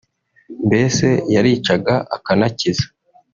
mbese yaricaga akanacyiza